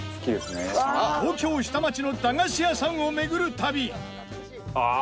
東京下町の駄菓子屋さんを巡る旅。